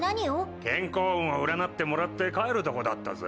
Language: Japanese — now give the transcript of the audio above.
健康運を占ってもらって帰るとこだったぜ。